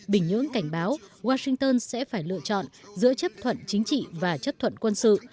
bình nhưỡng cảnh báo washington sẽ phải lựa chọn giữa chấp thuận chính trị và chấp thuận quân sự